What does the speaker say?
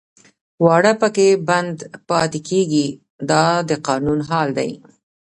واړه پکې بند پاتې کېږي دا د قانون حال دی.